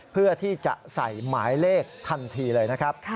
เพื่อที่จะใส่หมายเลขทันทีเลยนะครับ